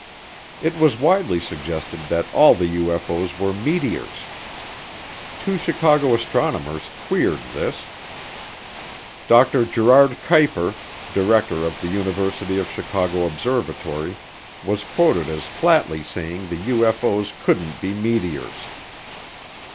It was widely suggested that all the UFO's were meteors. Two Chicago astronomers queered this. Dr. Gerard Kuiper, director of the University of Chicago observatory, was quoted as flatly saying the UFO's couldn't be meteors.